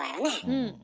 うん。